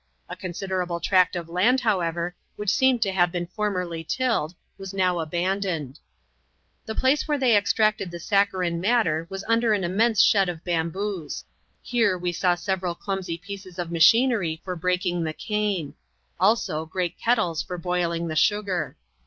A considerable tract of land, however, which seemed to have been formerly tilled, was now abandoned. The place where they exlx^cX.^^ ^Ja& ^'ws.OBscrvsxfc \as*XR3t ^«^ CHAP. LxxTm.] MRS. BELL. 501 under an immense shed of bamboos. Here we saw several clumsy pieces of machinery for breaking the cane ; also great kettles for boiling the sugar.